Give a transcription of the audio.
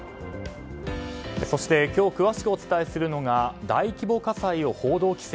そして今日詳しくお伝えするのが大規模火災を報道規制